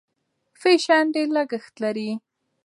فیشن ډېر لګښت لري.